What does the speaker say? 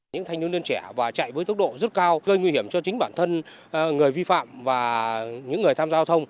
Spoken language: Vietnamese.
những thanh thiếu niên trẻ chạy với tốc độ rất cao gây nguy hiểm cho chính bản thân người vi phạm và những người tham gia giao thông